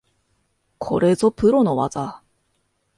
これぞプロの技